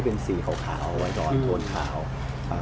ผมเป็นคนไม่ชอบให้มีสีอะไรเยอะ